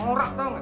lora tau gak